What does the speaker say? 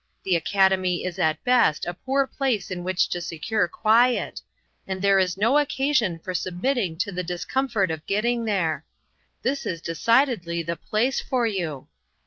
The academy is at best, a poor place in which to secure quiet, aud there is no occasion for submitting to the discomfort of getting there. This is decidedly the place for you.